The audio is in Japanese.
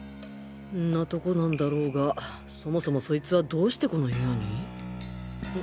ンなとこなんだろうがそもそもそいつはどうしてこの部屋にん！